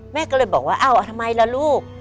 แม่ก็เลยบอกว่าเอ้าทำไมล่ะลูก